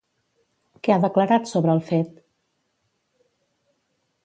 Què ha declarat sobre el fet?